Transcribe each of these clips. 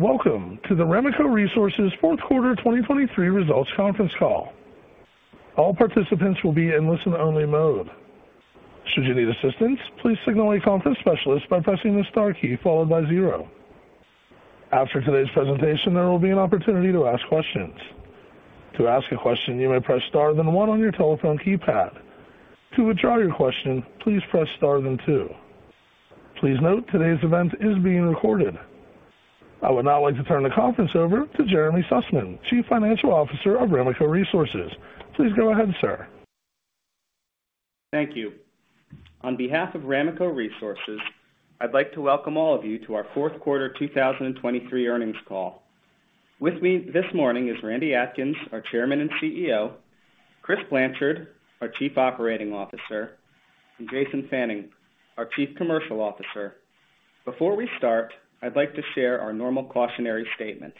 Welcome to the Ramaco Resources fourth quarter 2023 results conference call. All participants will be in listen-only mode. Should you need assistance, please signal a conference specialist by pressing the star key followed by zero. After today's presentation, there will be an opportunity to ask questions. To ask a question, you may press star, then one on your telephone keypad. To withdraw your question, please press star, then two. Please note, today's event is being recorded. I would now like to turn the conference over to Jeremy Sussman, Chief Financial Officer of Ramaco Resources. Please go ahead, sir. Thank you. On behalf of Ramaco Resources, I'd like to welcome all of you to our fourth quarter 2023 earnings call. With me this morning is Randall Atkins, our Chairman and CEO, Chris Blanchard, our Chief Operating Officer, and Jason Fannin, our Chief Commercial Officer. Before we start, I'd like to share our normal cautionary statement.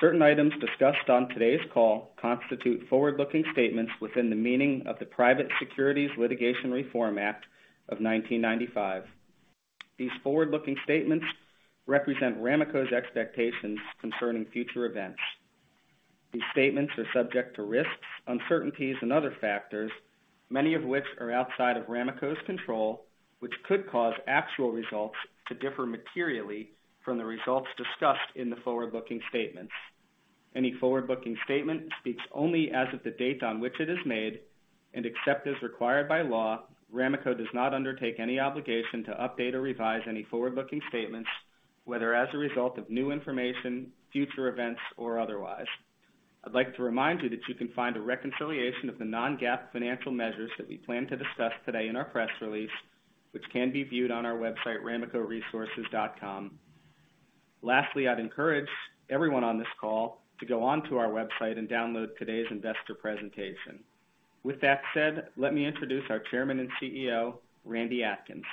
Certain items discussed on today's call constitute forward-looking statements within the meaning of the Private Securities Litigation Reform Act of 1995. These forward-looking statements represent Ramaco's expectations concerning future events. These statements are subject to risks, uncertainties, and other factors, many of which are outside of Ramaco's control, which could cause actual results to differ materially from the results discussed in the forward-looking statements. Any forward-looking statement speaks only as of the date on which it is made, and except as required by law, Ramaco does not undertake any obligation to update or revise any forward-looking statements, whether as a result of new information, future events, or otherwise. I'd like to remind you that you can find a reconciliation of the non-GAAP financial measures that we plan to discuss today in our press release, which can be viewed on our website, ramacoresources.com. Lastly, I'd encourage everyone on this call to go onto our website and download today's investor presentation. With that said, let me introduce our Chairman and CEO, Randall Atkins.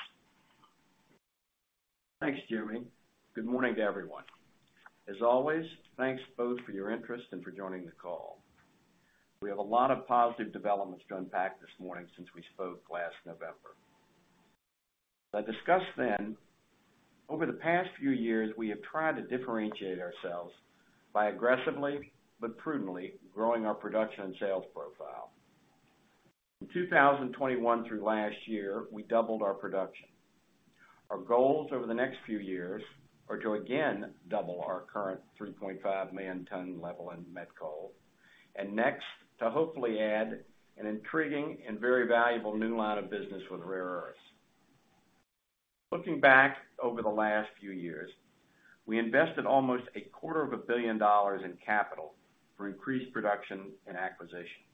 Thanks, Jeremy. Good morning to everyone. As always, thanks both for your interest and for joining the call. We have a lot of positive developments to unpack this morning since we spoke last November. I discussed then, over the past few years, we have tried to differentiate ourselves by aggressively but prudently growing our production and sales profile. In 2021 through last year, we doubled our production. Our goals over the next few years are to again double our current 3.5 million ton level in met coal, and next, to hopefully add an intriguing and very valuable new line of business with rare earths. Looking back over the last few years, we invested almost $250 million in capital for increased production and acquisition.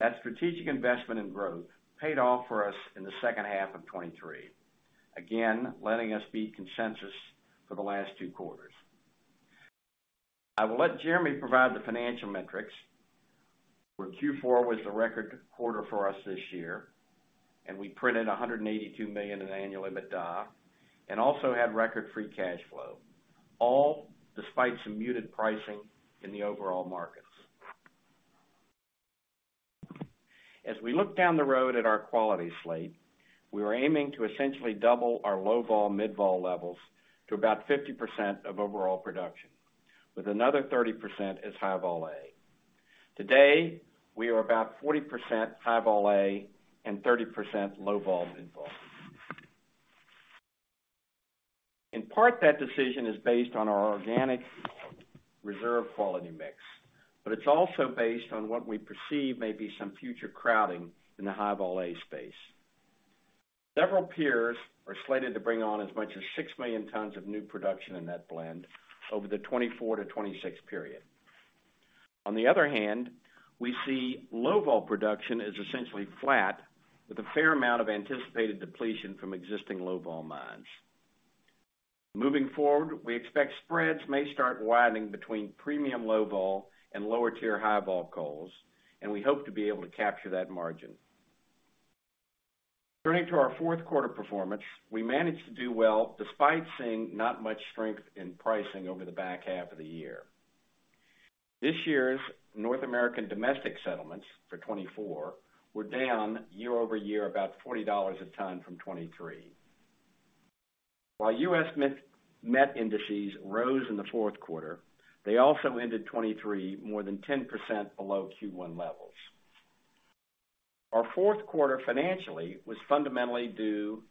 That strategic investment in growth paid off for us in the second half of 2023, again, letting us beat consensus for the last two quarters. I will let Jeremy provide the financial metrics, where Q4 was the record quarter for us this year, and we printed $182 million in annual EBITDA, and also had record free cash flow, all despite some muted pricing in the overall markets. As we look down the road at our quality slate, we are aiming to essentially double our Low Vol, mid vol levels to about 50% of overall production, with another 30% as High Vol A. Today, we are about 40% High Vol A and 30% Low Vol, mid vol. In part, that decision is based on our organic reserve quality mix, but it's also based on what we perceive may be some future crowding in the High Vol A space. Several peers are slated to bring on as much as 6 million tons of new production in that blend over the 2024-2026 period. On the other hand, we see Low Vol production is essentially flat, with a fair amount of anticipated depletion from existing Low Vol mines. Moving forward, we expect spreads may start widening between premium Low Vol and lower-tier high vol coals, and we hope to be able to capture that margin. Turning to our fourth quarter performance, we managed to do well despite seeing not much strength in pricing over the back half of the year. This year's North American domestic settlements for 2024 were down year-over-year, about $40 a ton from 2023. While U.S. met indices rose in the fourth quarter, they also ended 2023 more than 10% below Q1 levels. Our fourth quarter, financially, was fundamentally due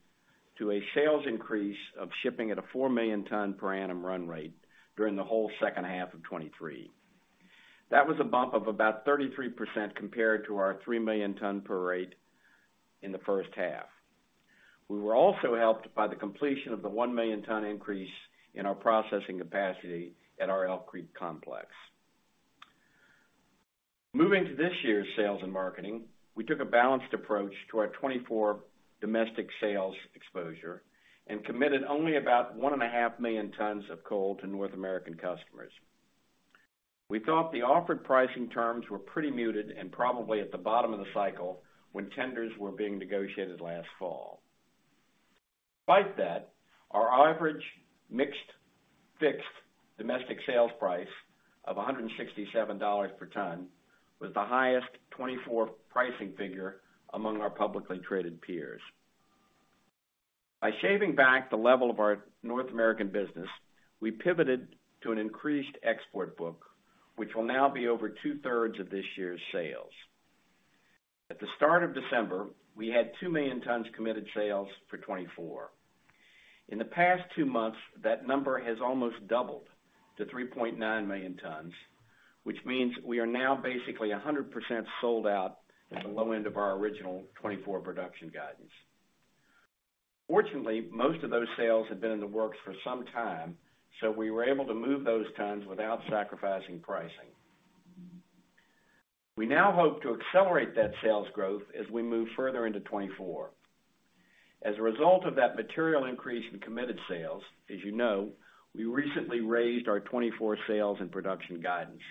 to a sales increase of shipping at a 4 million ton per annum run rate during the whole second half of 2023. That was a bump of about 33% compared to our 3 million ton per rate in the first half. We were also helped by the completion of the 1 million ton increase in our processing capacity at our Elk Creek complex. Moving to this year's sales and marketing, we took a balanced approach to our 2024 domestic sales exposure and committed only about 1.5 million tons of coal to North American customers. We thought the offered pricing terms were pretty muted and probably at the bottom of the cycle when tenders were being negotiated last fall. Despite that, our average mixed fixed domestic sales price of $167 per ton, was the highest 2024 pricing figure among our publicly traded peers. By shaving back the level of our North American business, we pivoted to an increased export book, which will now be over two-thirds of this year's sales. At the start of December, we had 2 million tons committed sales for 2024. In the past two months, that number has almost doubled to 3.9 million tons, which means we are now basically 100% sold out at the low end of our original 2024 production guidance. Fortunately, most of those sales had been in the works for some time, so we were able to move those tons without sacrificing pricing. We now hope to accelerate that sales growth as we move further into 2024. As a result of that material increase in committed sales, as you know, we recently raised our 2024 sales and production guidance.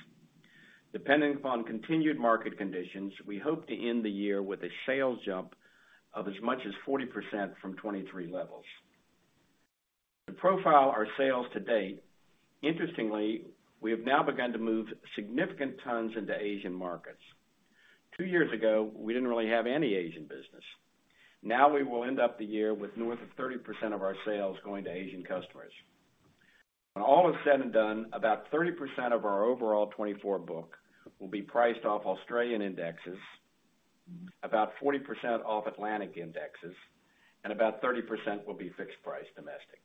Depending upon continued market conditions, we hope to end the year with a sales jump of as much as 40% from 2023 levels. To profile our sales to date, interestingly, we have now begun to move significant tons into Asian markets. Two years ago, we didn't really have any Asian business. Now we will end up the year with north of 30% of our sales going to Asian customers. When all is said and done, about 30% of our overall 2024 book will be priced off Australian indexes, about 40% off Atlantic indexes, and about 30% will be fixed price domestic.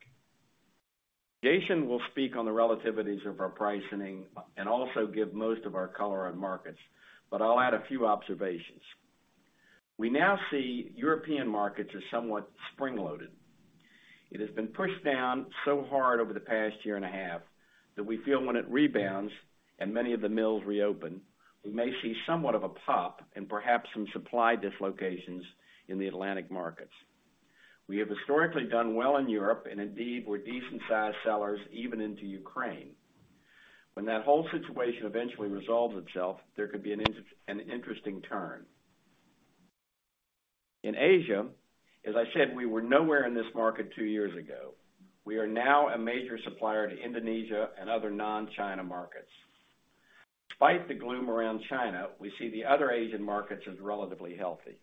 Jason will speak on the relativities of our pricing and also give most of our color on markets, but I'll add a few observations. We now see European markets as somewhat spring-loaded. It has been pushed down so hard over the past year and a half, that we feel when it rebounds and many of the mills reopen, we may see somewhat of a pop and perhaps some supply dislocations in the Atlantic markets. We have historically done well in Europe, and indeed, we're decent-sized sellers, even into Ukraine. When that whole situation eventually resolves itself, there could be an interesting turn. In Asia, as I said, we were nowhere in this market two years ago. We are now a major supplier to Indonesia and other non-China markets. Despite the gloom around China, we see the other Asian markets as relatively healthy.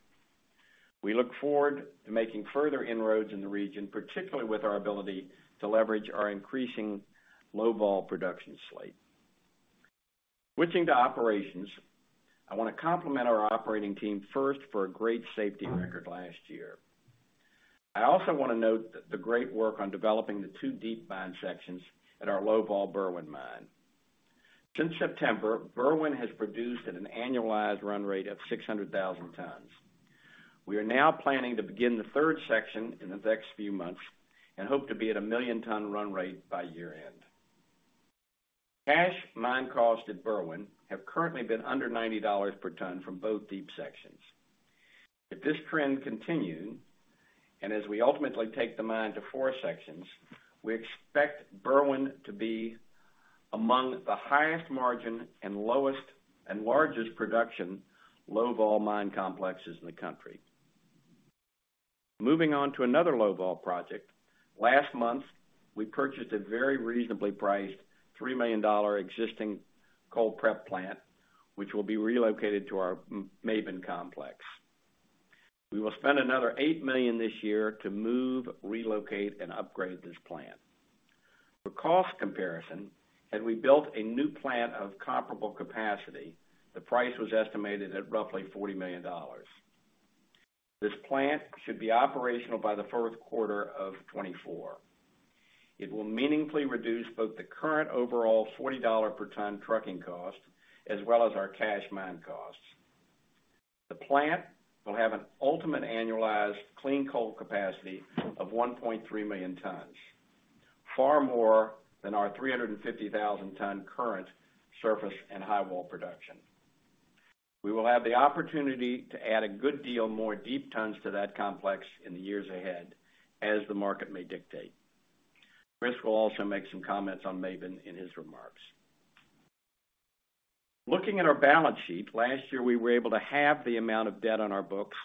We look forward to making further inroads in the region, particularly with our ability to leverage our increasing low-vol production slate. Switching to operations, I want to compliment our operating team first for a great safety record last year. I also want to note the great work on developing the two deep mine sections at our low-vol Berwind mine. Since September, Berwind has produced at an annualized run rate of 600,000 tons. We are now planning to begin the third section in the next few months and hope to be at a 1 million-ton run rate by year-end. Cash mine costs at Berwind have currently been under $90 per ton from both deep sections. If this trend continues, and as we ultimately take the mine to four sections, we expect Berwind to be among the highest margin and lowest and largest production low-vol mine complexes in the country. Moving on to another low-vol project, last month, we purchased a very reasonably priced $3 million existing coal prep plant, which will be relocated to our Raven complex. We will spend another $8 million this year to move, relocate, and upgrade this plant. For cost comparison, had we built a new plant of comparable capacity, the price was estimated at roughly $40 million. This plant should be operational by the fourth quarter of 2024. It will meaningfully reduce both the current overall $40 per ton trucking cost, as well as our cash mine costs. The plant will have an ultimate annualized clean coal capacity of 1.3 million tons, far more than our 350,000-ton current surface and high wall production. We will have the opportunity to add a good deal more deep tons to that complex in the years ahead, as the market may dictate. Chris will also make some comments on Maben in his remarks. Looking at our balance sheet, last year, we were able to halve the amount of debt on our books,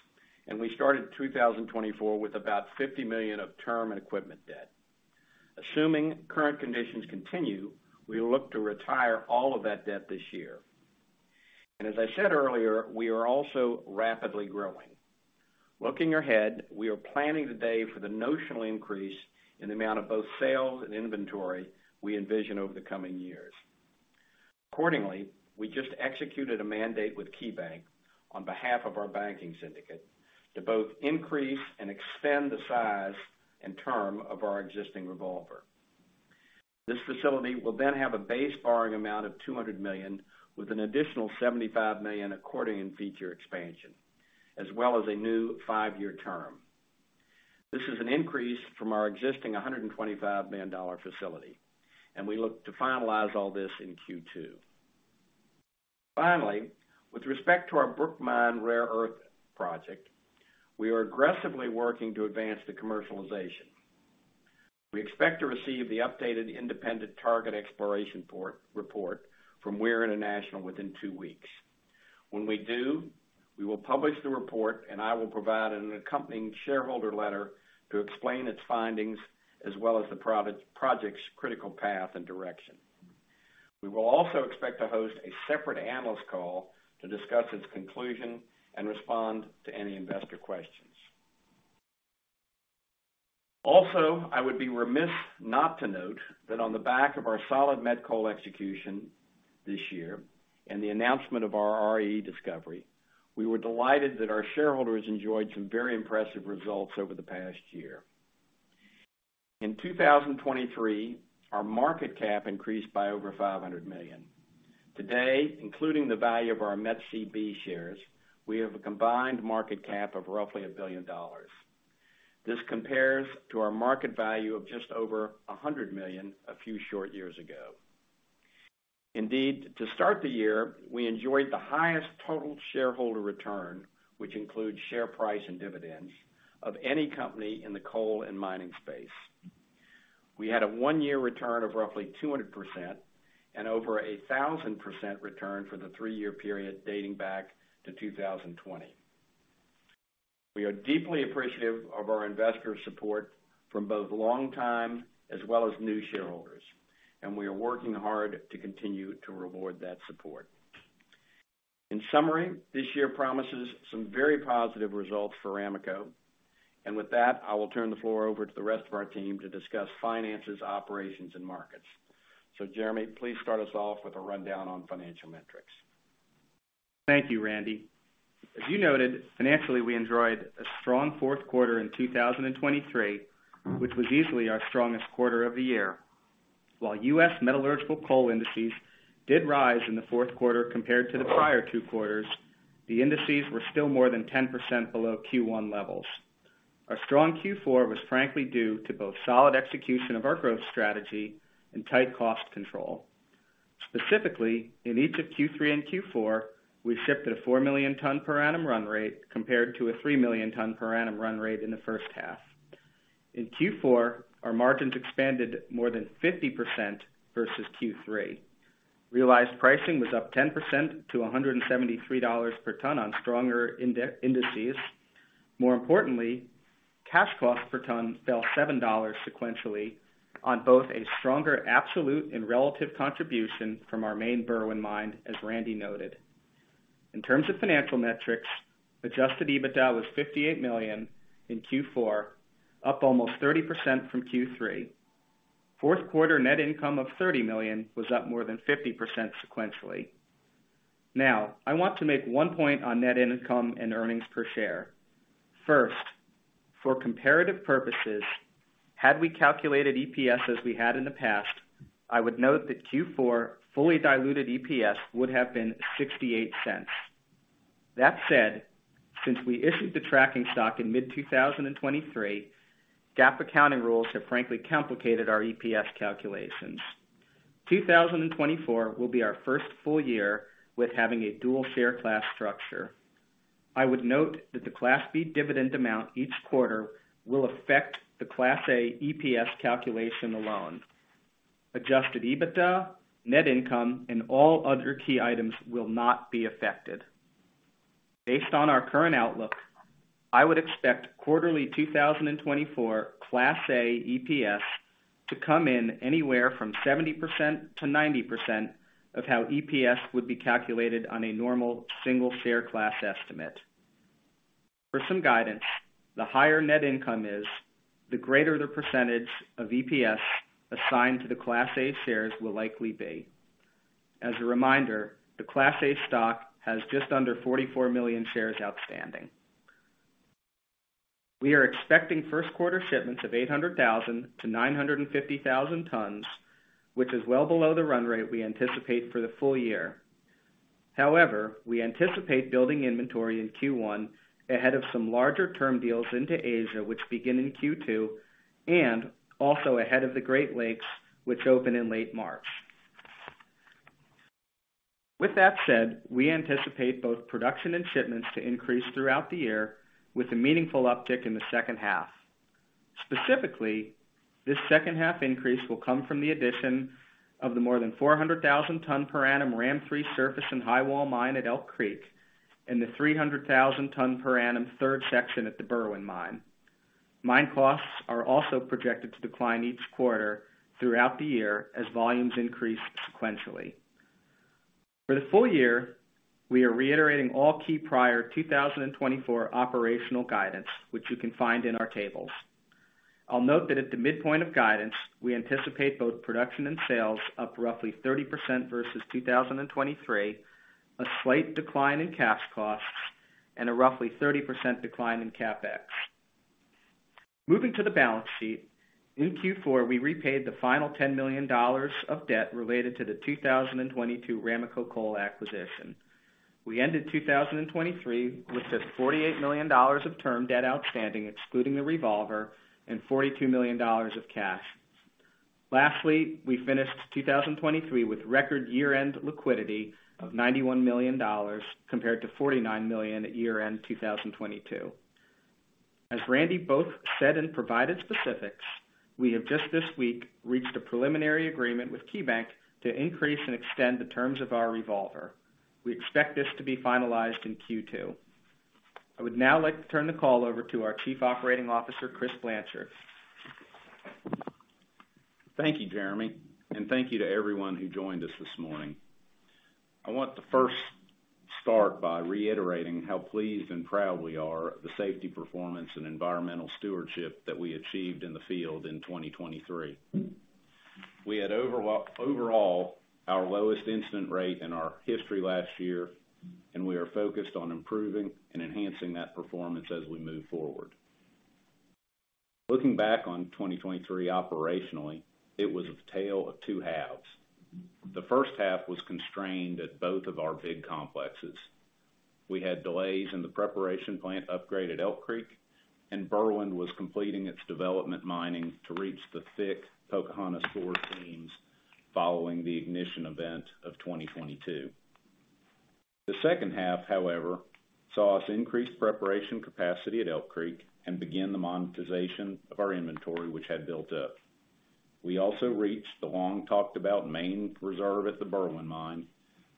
and we started 2024 with about $50 million of term and equipment debt. Assuming current conditions continue, we look to retire all of that debt this year. As I said earlier, we are also rapidly growing. Looking ahead, we are planning today for the notional increase in the amount of both sales and inventory we envision over the coming years. Accordingly, we just executed a mandate with KeyBank on behalf of our banking syndicate, to both increase and extend the size and term of our existing revolver. This facility will then have a base borrowing amount of $200 million, with an additional $75 million accordion feature expansion, as well as a new 5-year term. This is an increase from our existing $125 million facility, and we look to finalize all this in Q2. Finally, with respect to our Brook Mine rare earth project, we are aggressively working to advance the commercialization. We expect to receive the updated independent target exploration report from Weir International within 2 weeks. When we do, we will publish the report, and I will provide an accompanying shareholder letter to explain its findings, as well as the project's critical path and direction. We will also expect to host a separate analyst call to discuss its conclusion and respond to any investor questions. Also, I would be remiss not to note that on the back of our solid met coal execution this year and the announcement of our RE discovery, we were delighted that our shareholders enjoyed some very impressive results over the past year. In 2023, our market cap increased by over $500 million. Today, including the value of our MetCB shares, we have a combined market cap of roughly $1 billion. This compares to our market value of just over $100 million a few short years ago. Indeed, to start the year, we enjoyed the highest total shareholder return, which includes share price and dividends, of any company in the coal and mining space. We had a one-year return of roughly 200% and over 1,000% return for the three-year period dating back to 2020. We are deeply appreciative of our investor support from both longtime as well as new shareholders, and we are working hard to continue to reward that support. In summary, this year promises some very positive results for Ramaco. With that, I will turn the floor over to the rest of our team to discuss finances, operations, and markets. Jeremy, please start us off with a rundown on financial metrics. Thank you, Randall. As you noted, financially, we enjoyed a strong fourth quarter in 2023, which was easily our strongest quarter of the year. While U.S. metallurgical coal indices did rise in the fourth quarter compared to the prior two quarters, the indices were still more than 10% below Q1 levels. Our strong Q4 was frankly due to both solid execution of our growth strategy and tight cost control. Specifically, in each of Q3 and Q4, we shipped at a 4 million ton per annum run rate, compared to a 3 million ton per annum run rate in the first half. In Q4, our margins expanded more than 50% versus Q3. Realized pricing was up 10% to $173 per ton on stronger indices. More importantly, cash costs per ton fell $7 sequentially on both a stronger, absolute and relative contribution from our main Berwind mine, as Randall noted. In terms of financial metrics, Adjusted EBITDA was $58 million in Q4, up almost 30% from Q3. Fourth quarter net income of $30 million was up more than 50% sequentially. Now, I want to make one point on net income and earnings per share. First, for comparative purposes, had we calculated EPS as we had in the past, I would note that Q4 fully diluted EPS would have been $0.68. That said, since we issued the tracking stock in mid 2023, GAAP accounting rules have frankly complicated our EPS calculations. 2024 will be our first full year with having a dual share class structure. I would note that the Class B dividend amount each quarter will affect the Class A EPS calculation alone. Adjusted EBITDA, net income, and all other key items will not be affected. Based on our current outlook, I would expect quarterly 2024 Class A EPS to come in anywhere from 70%-90% of how EPS would be calculated on a normal single share class estimate. For some guidance, the higher net income is, the greater the percentage of EPS assigned to the Class A shares will likely be. As a reminder, the Class A stock has just under 44 million shares outstanding. We are expecting first quarter shipments of 800,000-950,000 tons, which is well below the run rate we anticipate for the full year. However, we anticipate building inventory in Q1 ahead of some larger term deals into Asia, which begin in Q2, and also ahead of the Great Lakes, which open in late March. With that said, we anticipate both production and shipments to increase throughout the year with a meaningful uptick in the second half. Specifically, this second half increase will come from the addition of the more than 400,000 tons per annum RAM 3 surface and highwall mine at Elk Creek and the 300,000 tons per annum third section at the Berwind Mine. Mine costs are also projected to decline each quarter throughout the year as volumes increase sequentially. For the full year, we are reiterating all key prior 2024 operational guidance, which you can find in our tables. I'll note that at the midpoint of guidance, we anticipate both production and sales up roughly 30% versus 2023, a slight decline in cash costs, and a roughly 30% decline in CapEx. Moving to the balance sheet. In Q4, we repaid the final $10 million of debt related to the 2022 Ramaco Coal acquisition. We ended 2023 with just $48 million of term debt outstanding, excluding the revolver, and $42 million of cash. Lastly, we finished 2023 with record year-end liquidity of $91 million compared to $49 million at year-end 2022.... As Randall both said and provided specifics, we have just this week reached a preliminary agreement with KeyBank to increase and extend the terms of our revolver. We expect this to be finalized in Q2. I would now like to turn the call over to our Chief Operating Officer, Chris Blanchard. Thank you, Jeremy, and thank you to everyone who joined us this morning. I want to first start by reiterating how pleased and proud we are of the safety performance and environmental stewardship that we achieved in the field in 2023. We had overall, our lowest incident rate in our history last year, and we are focused on improving and enhancing that performance as we move forward. Looking back on 2023 operationally, it was a tale of two halves. The first half was constrained at both of our big complexes. We had delays in the preparation plant upgrade at Elk Creek, and Berwind was completing its development mining to reach the thick Pocahontas seams following the ignition event of 2022. The second half, however, saw us increase preparation capacity at Elk Creek and begin the monetization of our inventory, which had built up. We also reached the long-talked-about main reserve at the Berwind mine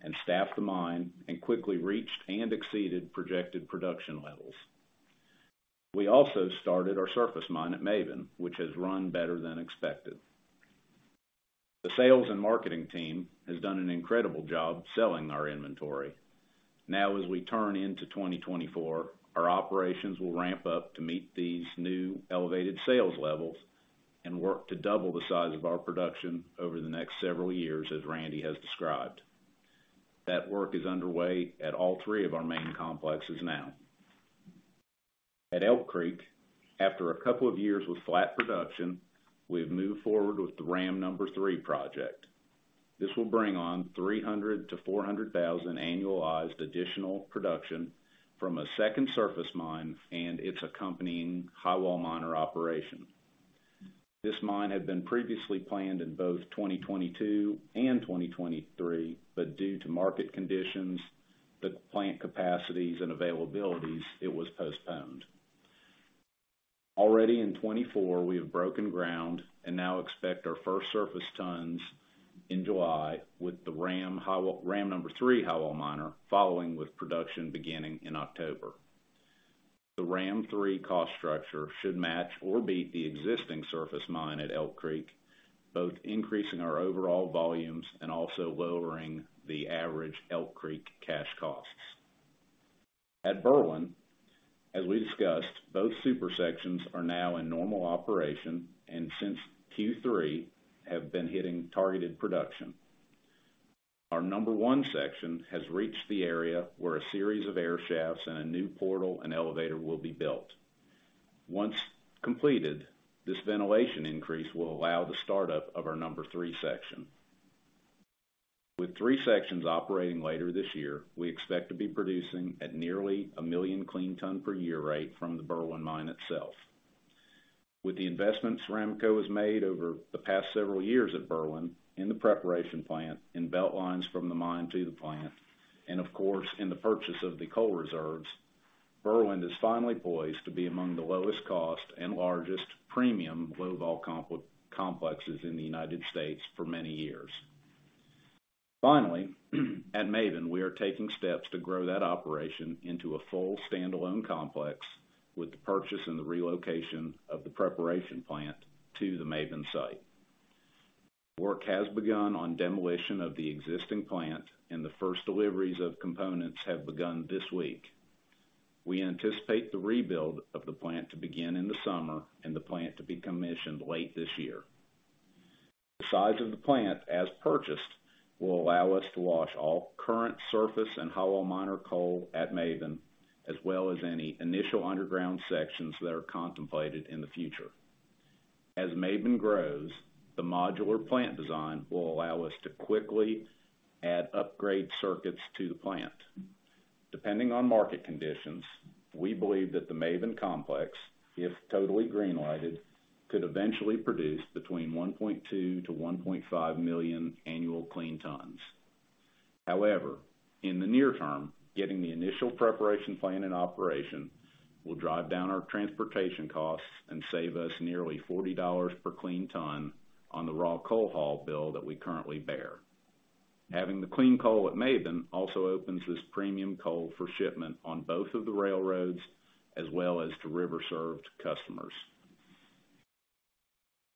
and staffed the mine and quickly reached and exceeded projected production levels. We also started our surface mine at Raven, which has run better than expected. The sales and marketing team has done an incredible job selling our inventory. Now, as we turn into 2024, our operations will ramp up to meet these new elevated sales levels and work to double the size of our production over the next several years, as Randall has described. That work is underway at all three of our main complexes now. At Elk Creek, after a couple of years with flat production, we've moved forward with the RAM number 3 project. This will bring on 300,000-400,000 annualized additional production from a second surface mine and its accompanying highwall miner operation. This mine had been previously planned in both 2022 and 2023, but due to market conditions, the plant capacities and availabilities, it was postponed. Already in 2024, we have broken ground and now expect our first surface tons in July with the RAM 3 highwall miner, following with production beginning in October. The RAM 3 cost structure should match or beat the existing surface mine at Elk Creek, both increasing our overall volumes and also lowering the average Elk Creek cash costs. At Berwind, as we discussed, both super sections are now in normal operation and since Q3, have been hitting targeted production. Our number 1 section has reached the area where a series of air shafts and a new portal and elevator will be built. Once completed, this ventilation increase will allow the startup of our number 3 section. With three sections operating later this year, we expect to be producing at nearly 1 million clean ton per year rate from the Berwind mine itself. With the investments Ramaco has made over the past several years at Berwind, in the preparation plant, in belt lines from the mine to the plant, and of course, in the purchase of the coal reserves, Berwind is finally poised to be among the lowest cost and largest premium low-vol complexes in the United States for many years. Finally, at Raven, we are taking steps to grow that operation into a full standalone complex with the purchase and the relocation of the preparation plant to the Raven site. Work has begun on demolition of the existing plant, and the first deliveries of components have begun this week. We anticipate the rebuild of the plant to begin in the summer and the plant to be commissioned late this year. The size of the plant, as purchased, will allow us to wash all current surface and highwall miner coal at Raven, as well as any initial underground sections that are contemplated in the future. As Raven grows, the modular plant design will allow us to quickly add upgrade circuits to the plant. Depending on market conditions, we believe that the Raven complex, if totally green lighted, could eventually produce between 1.2-1.5 million annual clean tons. However, in the near term, getting the initial preparation plant in operation will drive down our transportation costs and save us nearly $40 per clean ton on the raw coal haul bill that we currently bear. Having the clean coal at Maben also opens this premium coal for shipment on both of the railroads as well as to river-served customers.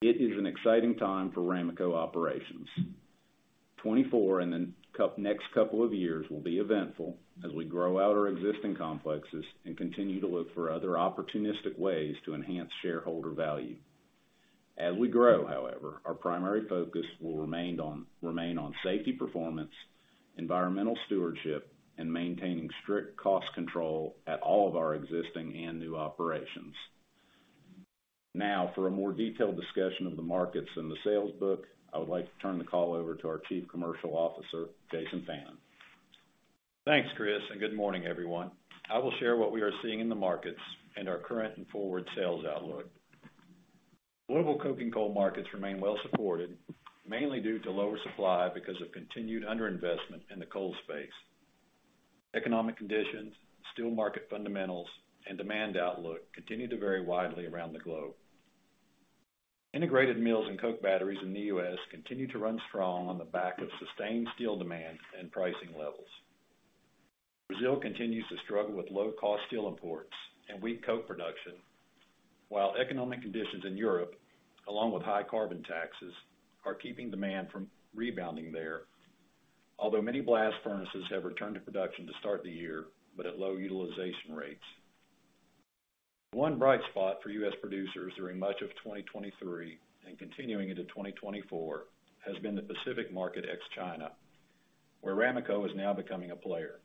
It is an exciting time for Ramaco operations. 2024 and the next couple of years will be eventful as we grow out our existing complexes and continue to look for other opportunistic ways to enhance shareholder value. As we grow, however, our primary focus will remain on safety performance, environmental stewardship, and maintaining strict cost control at all of our existing and new operations. Now, for a more detailed discussion of the markets and the sales book, I would like to turn the call over to our Chief Commercial Officer, Jason Fannin. Thanks, Chris, and good morning, everyone. I will share what we are seeing in the markets and our current and forward sales outlook.... Global coking coal markets remain well supported, mainly due to lower supply because of continued underinvestment in the coal space. Economic conditions, steel market fundamentals, and demand outlook continue to vary widely around the globe. Integrated mills and coke batteries in the U.S. continue to run strong on the back of sustained steel demand and pricing levels. Brazil continues to struggle with low-cost steel imports and weak coke production, while economic conditions in Europe, along with high carbon taxes, are keeping demand from rebounding there. Although many blast furnaces have returned to production to start the year, but at low utilization rates. One bright spot for U.S. producers during much of 2023 and continuing into 2024, has been the Pacific market, ex-China, where Ramaco is now becoming a player.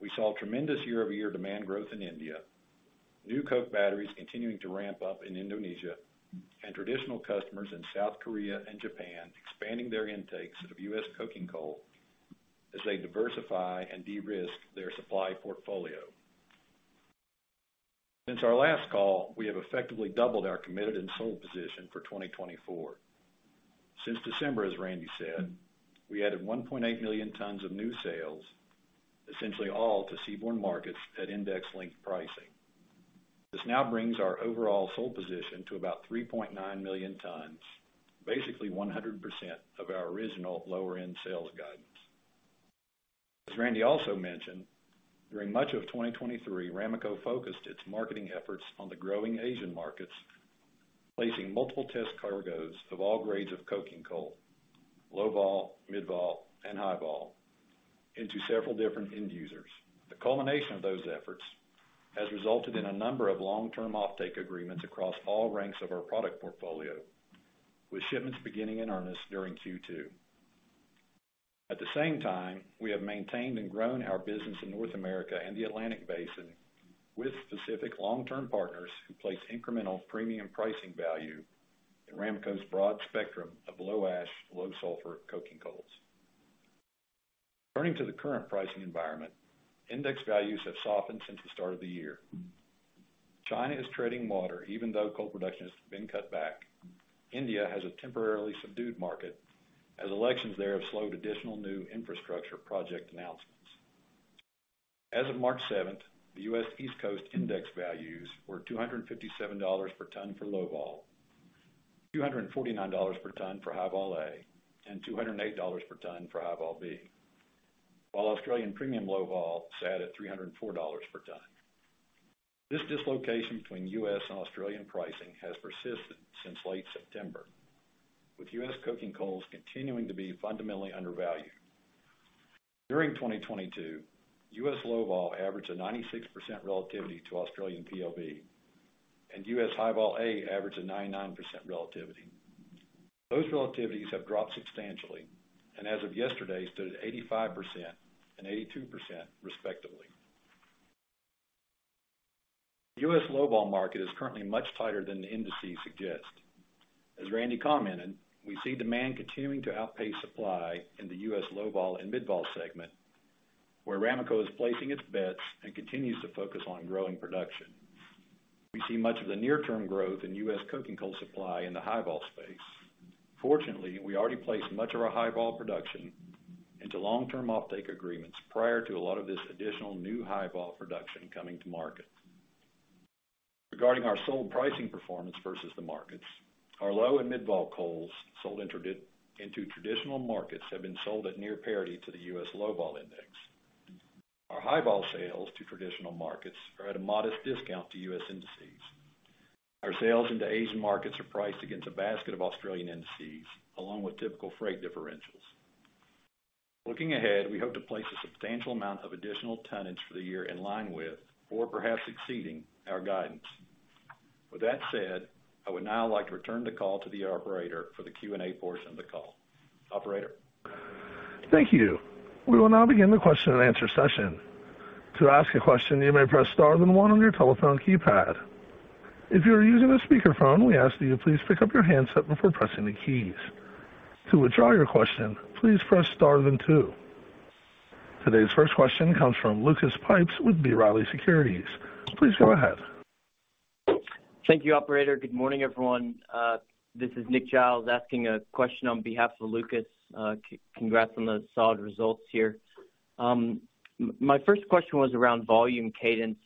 We saw tremendous year-over-year demand growth in India, new coke batteries continuing to ramp up in Indonesia, and traditional customers in South Korea and Japan expanding their intakes of U.S. coking coal as they diversify and de-risk their supply portfolio. Since our last call, we have effectively doubled our committed and sold position for 2024. Since December, as Randall said, we added 1.8 million tons of new sales, essentially all to seaborne markets at index-linked pricing. This now brings our overall sold position to about 3.9 million tons, basically 100% of our original lower-end sales guidance. As Randall also mentioned, during much of 2023, Ramaco focused its marketing efforts on the growing Asian markets, placing multiple test cargoes of all grades of coking coal, Low Vol, mid vol, and high vol, into several different end users. The culmination of those efforts has resulted in a number of long-term offtake agreements across all ranks of our product portfolio, with shipments beginning in earnest during Q2. At the same time, we have maintained and grown our business in North America and the Atlantic Basin with specific long-term partners who place incremental premium pricing value in Ramaco's broad spectrum of low ash, low sulfur coking coals. Turning to the current pricing environment, index values have softened since the start of the year. China is treading water, even though coal production has been cut back. India has a temporarily subdued market, as elections there have slowed additional new infrastructure project announcements. As of March 7, the U.S. East Coast index values were $257 per ton for Low Vol, $249 per ton for High Vol A, and $208 per ton for High Vol B, while Australian premium Low Vol sat at $304 per ton. This dislocation between U.S. and Australian pricing has persisted since late September, with US coking coals continuing to be fundamentally undervalued. During U.S. Low Vol averaged a 96% relativity to Australian PLV, and US High Vol A averaged a 99% relativity. Those relativities have dropped substantially, and as of yesterday, stood at 85% and 82% respectively. U.S. Low Vol market is currently much tighter than the indices suggest. As Randall commented, we see demand continuing to outpace supply in the U.S. Low Vol and mid vol segment, where Ramaco is placing its bets and continues to focus on growing production. We see much of the near-term growth in U.S. coking coal supply in the high vol space. Fortunately, we already placed much of our high vol production into long-term offtake agreements prior to a lot of this additional new high vol production coming to market. Regarding our sold pricing performance versus the markets, our low and mid vol coals sold into into traditional markets, have been sold at near parity to the U.S. Low Vol index. Our high vol sales to traditional markets are at a modest discount to U.S. indices. Our sales into Asian markets are priced against a basket of Australian indices, along with typical freight differentials. Looking ahead, we hope to place a substantial amount of additional tonnage for the year in line with, or perhaps exceeding our guidance. With that said, I would now like to return the call to the operator for the Q&A portion of the call. Operator? Thank you. We will now begin the question and answer session. To ask a question, you may press star then one on your telephone keypad. If you are using a speakerphone, we ask that you please pick up your handset before pressing the keys. To withdraw your question, please press star then two. Today's first question comes from Lucas Pipes with B. Riley Securities. Please go ahead. Thank you, operator. Good morning, everyone. This is Nick Giles asking a question on behalf of Lucas. Congrats on the solid results here. My first question was around volume cadence.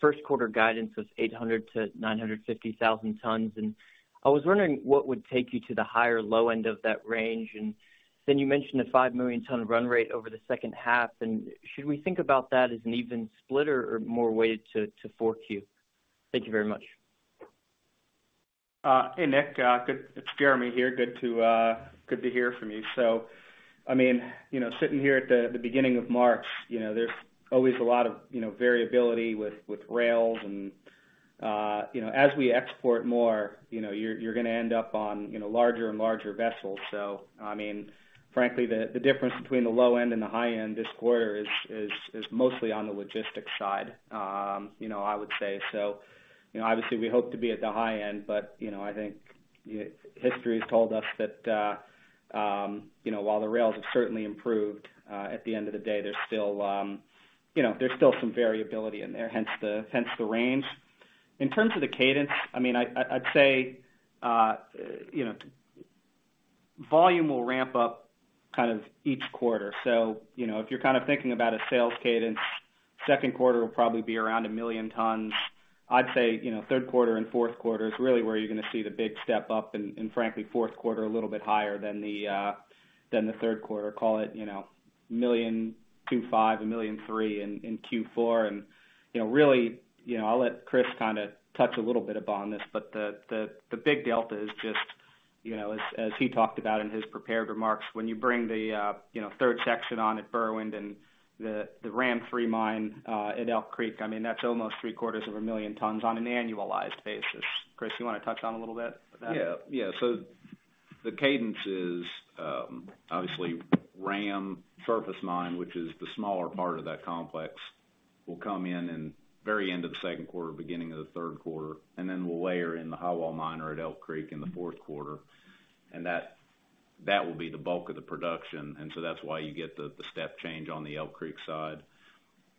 First quarter guidance was 800-950,000 tons, and I was wondering what would take you to the higher low end of that range? And then you mentioned a 5 million ton run rate over the second half, and should we think about that as an even split or, or more weighted to, to Q4? Thank you very much. Hey, Nick. It's Jeremy here. Good to hear from you. So, I mean, you know, sitting here at the beginning of March, you know, there's always a lot of variability with rails and, you know, as we export more, you know, you're gonna end up on larger and larger vessels. So, I mean, frankly, the difference between the low end and the high end this quarter is mostly on the logistics side, you know, I would say. So, you know, obviously, we hope to be at the high end, but, you know, I think...... history has told us that, you know, while the rails have certainly improved, at the end of the day, there's still, you know, there's still some variability in there, hence the, hence the range. In terms of the cadence, I mean, I'd say, you know, volume will ramp up kind of each quarter. So, you know, if you're kind of thinking about a sales cadence, second quarter will probably be around 1 million tons. I'd say, you know, third quarter and fourth quarter is really where you're gonna see the big step up, and frankly, fourth quarter, a little bit higher than the, than the third quarter. Call it, you know, 1.25 million, 1.3 million in Q4. You know, really, you know, I'll let Chris kind of touch a little bit upon this, but the big delta is just, you know, as he talked about in his prepared remarks, when you bring the third section on at Berwind and the RAM 3 mine at Elk Creek, I mean, that's almost 750,000 tons on an annualized basis. Chris, you wanna touch on a little bit of that? Yeah. Yeah. So the cadence is, obviously, Ram Surface Mine, which is the smaller part of that complex, will come in in the very end of the second quarter, beginning of the third quarter, and then we'll layer in the highwall miner at Elk Creek in the fourth quarter, and that will be the bulk of the production. And so that's why you get the step change on the Elk Creek side.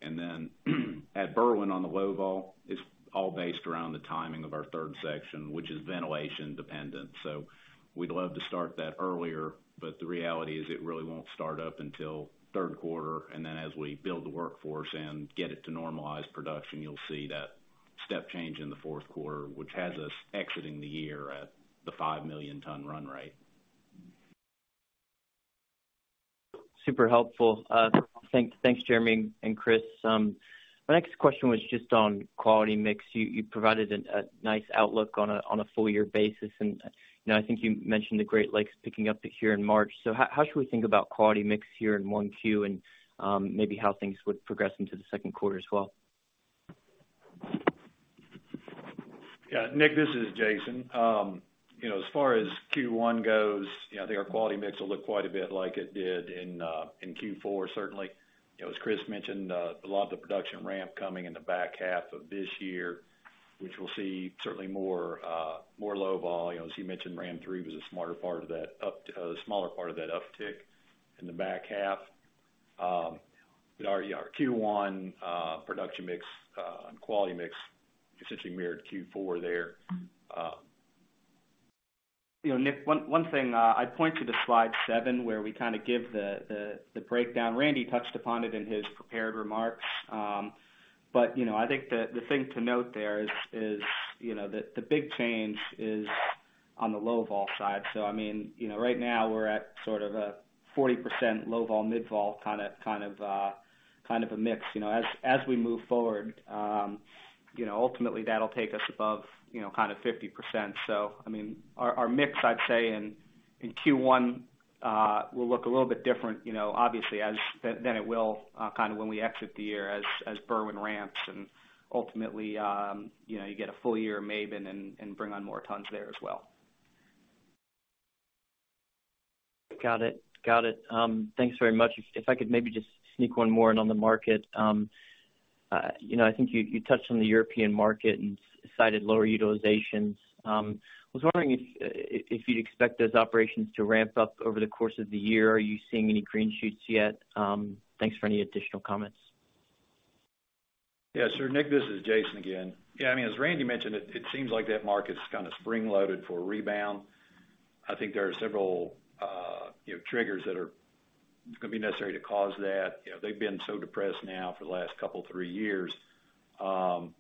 And then, at Berwind, on the Low Vol, it's all based around the timing of our third section, which is ventilation dependent. So we'd love to start that earlier, but the reality is it really won't start up until third quarter, and then as we build the workforce and get it to normalized production, you'll see that step change in the fourth quarter, which has us exiting the year at the 5 million ton run rate. Super helpful. Thanks, thanks, Jeremy and Chris. My next question was just on quality mix. You provided a nice outlook on a full year basis, and you know, I think you mentioned the Great Lakes picking up here in March. So how should we think about quality mix here in Q1 and maybe how things would progress into the second quarter as well? Yeah, Nick, this is Jason. You know, as far as Q1 goes, you know, I think our quality mix will look quite a bit like it did in, in Q4. Certainly, you know, as Chris mentioned, a lot of the production ramp coming in the back half of this year, which we'll see certainly more, more Low Vol. You know, as you mentioned, RAM 3 was a smaller part of that uptick in the back half. But our, our Q1, production mix, and quality mix, essentially mirrored Q4 there. You know, Nick, one thing I'd point to the slide 7, where we kind of give the breakdown. Randall touched upon it in his prepared remarks. But, you know, I think the thing to note there is, you know, that the big change is on the Low Vol side. So I mean, you know, right now we're at sort of a 40% Low Vol, mid vol, kind of a mix. You know, as we move forward, you know, ultimately that'll take us above, you know, kind of 50%. So, I mean, our mix, I'd say in Q1, will look a little bit different, you know, obviously, than it will, kind of when we exit the year as Berwind ramps. Ultimately, you know, you get a full year of Maben and bring on more tons there as well. Got it. Got it. Thanks very much. If I could maybe just sneak one more in on the market. You know, I think you touched on the European market and cited lower utilizations. I was wondering if you'd expect those operations to ramp up over the course of the year. Are you seeing any green shoots yet? Thanks for any additional comments. Yeah, sure, Nick, this is Jason again. Yeah, I mean, as Randall mentioned, it seems like that market's kind of spring-loaded for a rebound. I think there are several, you know, triggers that are gonna be necessary to cause that. You know, they've been so depressed now for the last couple, three years, you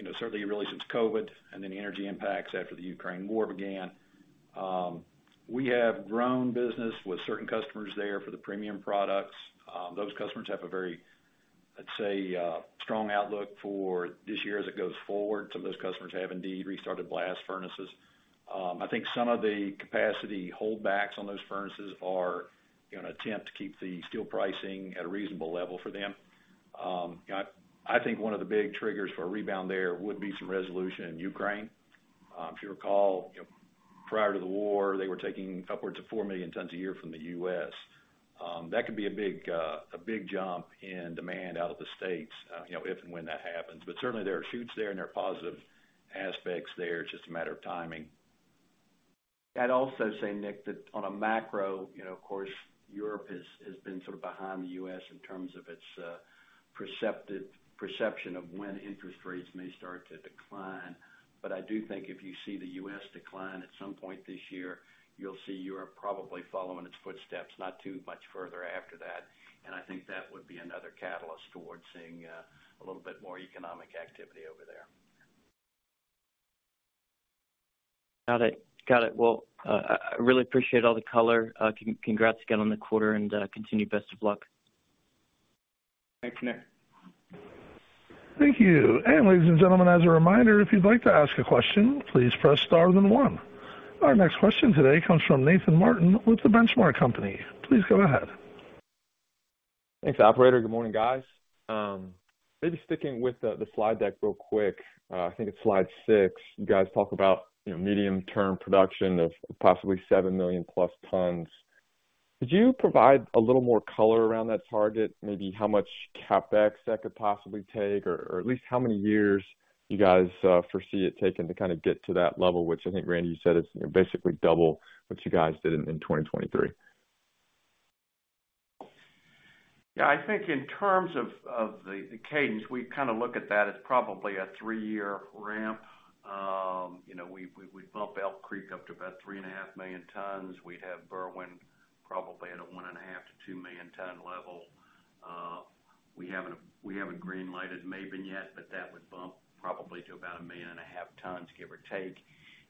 know, certainly really since COVID, and then the energy impacts after the Ukraine war began. We have grown business with certain customers there for the premium products. Those customers have a very, let's say, strong outlook for this year as it goes forward. Some of those customers have indeed restarted blast furnaces. I think some of the capacity holdbacks on those furnaces are, you know, an attempt to keep the steel pricing at a reasonable level for them. I think one of the big triggers for a rebound there would be some resolution in Ukraine. If you recall, you know, prior to the war, they were taking upwards of 4 million tons a year from the U.S. That could be a big jump in demand out of the States, you know, if and when that happens. But certainly, there are shoots there, and there are positive aspects there. It's just a matter of timing. I'd also say, Nick, that on a macro, you know, of course, Europe has been sort of behind the U.S. in terms of its perception of when interest rates may start to decline. But I do think if you see the U.S. decline at some point this year, you'll see Europe probably following its footsteps not too much further after that. And I think that would be another catalyst towards seeing a little bit more economic activity over there. Got it. Got it. Well, I really appreciate all the color. Congrats again on the quarter and continued best of luck. Thanks, Nick. Thank you. And ladies and gentlemen, as a reminder, if you'd like to ask a question, please press star then one. Our next question today comes from Nathan Martin with The Benchmark Company. Please go ahead. Thanks, operator. Good morning, guys. Maybe sticking with the slide deck real quick. I think it's slide six. You guys talk about, you know, medium-term production of possibly 7 million+ tons. Could you provide a little more color around that target? Maybe how much CapEx that could possibly take, or at least how many years you guys foresee it taking to kind of get to that level, which I think, Randall, you said is, basically, double what you guys did in 2023. Yeah, I think in terms of the cadence, we kind of look at that as probably a three-year ramp. You know, we bump Elk Creek up to about 3.5 million tons. We'd have Berwind probably at a 1.5-2 million ton level. We haven't green lighted Mayben yet, but that would bump probably to about 1.5 million tons, give or take.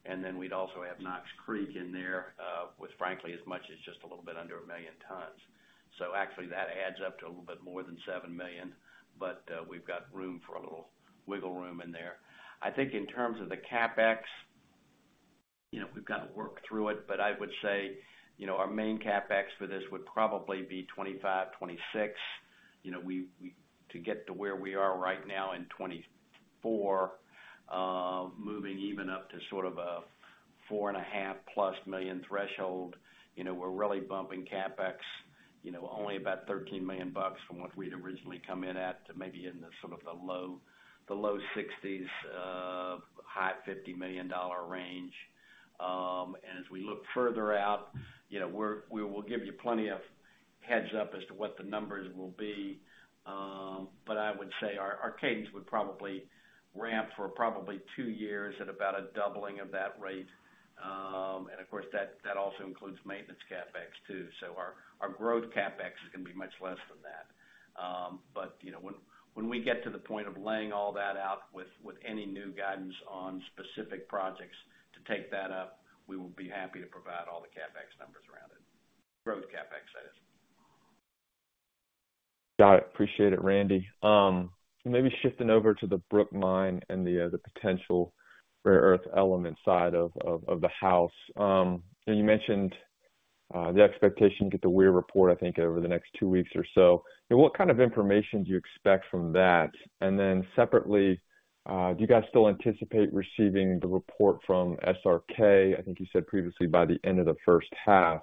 And then we'd also have Knox Creek in there, with, frankly, as much as just a little bit under 1 million tons. So actually, that adds up to a little bit more than 7 million, but we've got room for a little wiggle room in there. I think in terms of the CapEx, you know, we've got to work through it, but I would say, you know, our main CapEx for this would probably be $25-$26. You know, we to get to where we are right now in 2024, moving even up to sort of a $4.5+ million threshold, you know, we're really bumping CapEx, you know, only about $13 million from what we'd originally come in at to maybe in the sort of the low 60s-high 50s $ million range. And as we look further out, you know, we're, we will give you plenty of heads up as to what the numbers will be. But I would say our, our cadence would probably ramp for probably 2 years at about a doubling of that rate. Of course, that also includes maintenance CapEx, too. Our growth CapEx is gonna be much less than that. But, you know, when we get to the point of laying all that out with any new guidance on specific projects to take that up, we will be happy to provide all the CapEx numbers around it. Growth CapEx, that is. Got it. Appreciate it, Randall. Maybe shifting over to the Brook Mine and the potential rare earth element side of the house. And you mentioned the expectation to get the Weir report, I think, over the next two weeks or so. And what kind of information do you expect from that? And then separately, do you guys still anticipate receiving the report from SRK? I think you said previously, by the end of the first half,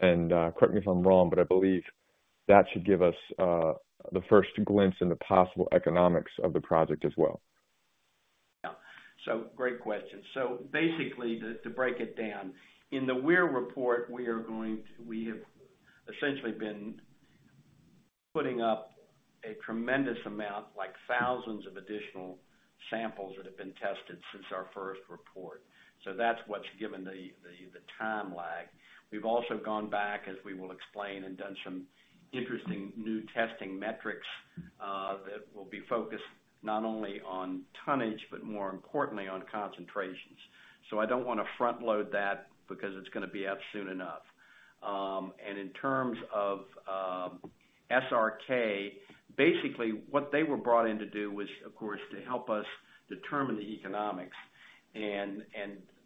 and correct me if I'm wrong, but I believe that should give us the first glimpse into possible economics of the project as well. Yeah. So great question. So basically, to break it down, in the Weir report, we are going to. We have essentially been putting up a tremendous amount, like thousands of additional samples that have been tested since our first report. So that's what's given the time lag. We've also gone back, as we will explain, and done some interesting new testing metrics that will be focused not only on tonnage, but more importantly, on concentrations. So I don't wanna front load that because it's gonna be out soon enough. And in terms of SRK, basically, what they were brought in to do was, of course, to help us determine the economics.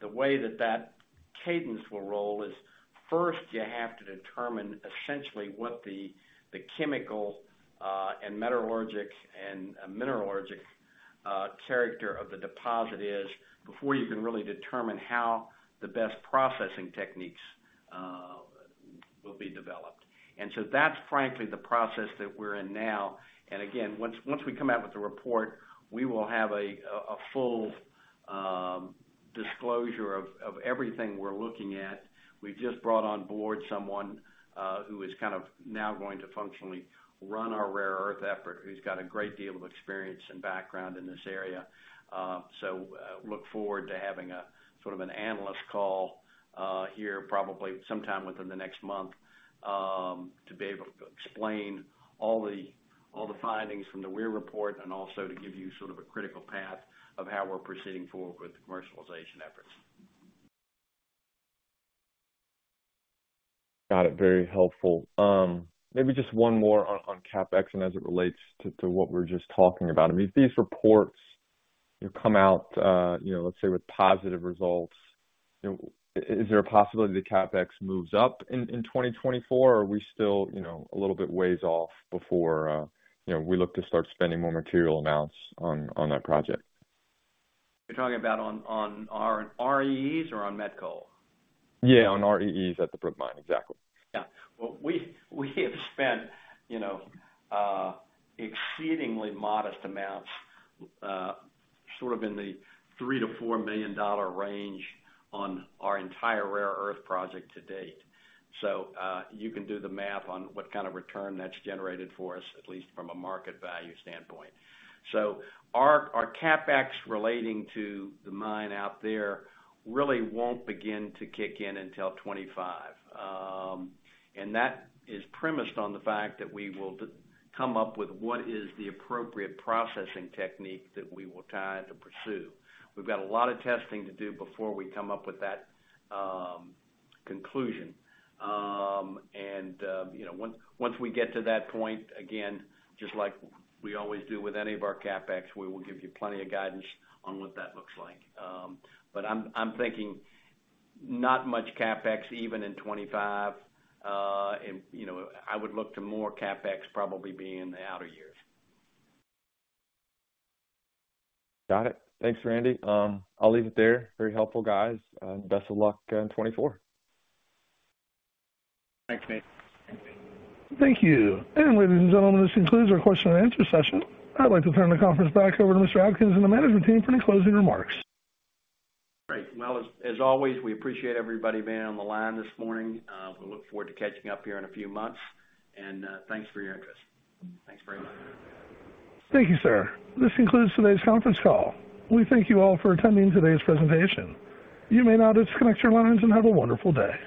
The way that cadence will roll is, first, you have to determine essentially what the chemical and metallurgical and mineralogical character of the deposit is before you can really determine how the best processing techniques will be developed. So that's frankly the process that we're in now. Again, once we come out with the report, we will have a full disclosure of everything we're looking at. We've just brought on board someone who is kind of now going to functionally run our rare earth effort, who's got a great deal of experience and background in this area. Look forward to having a sort of an analyst call here, probably sometime within the next month, to be able to explain all the, all the findings from the Weir report, and also to give you sort of a critical path of how we're proceeding forward with the commercialization efforts. Got it. Very helpful. Maybe just one more on CapEx and as it relates to what we're just talking about. I mean, if these reports, you know, come out, let's say with positive results, you know, is there a possibility the CapEx moves up in 2024? Or are we still, you know, a little bit ways off before we look to start spending more material amounts on that project? You're talking about on our REEs or on met coal? Yeah, on REEs at the Brook Mine, exactly. Yeah. Well, we have spent, you know, exceedingly modest amounts, sort of in the $3 million-$4 million range on our entire rare earth project to date. So, you can do the math on what kind of return that's generated for us, at least from a market value standpoint. So our CapEx relating to the mine out there really won't begin to kick in until 2025. And that is premised on the fact that we will come up with what is the appropriate processing technique that we will decide to pursue. We've got a lot of testing to do before we come up with that conclusion. And, you know, once we get to that point, again, just like we always do with any of our CapEx, we will give you plenty of guidance on what that looks like. But I'm thinking not much CapEx, even in 2025. You know, I would look to more CapEx probably being in the outer years. Got it. Thanks, Randall. I'll leave it there. Very helpful, guys, and best of luck in 2024. Thanks, Nate. Thank you. Ladies and gentlemen, this concludes our question and answer session. I'd like to turn the conference back over to Mr. Atkins and the management team for any closing remarks. Great. Well, as always, we appreciate everybody being on the line this morning. We look forward to catching up here in a few months, and thanks for your interest. Thanks very much. Thank you, sir. This concludes today's conference call. We thank you all for attending today's presentation. You may now disconnect your lines and have a wonderful day.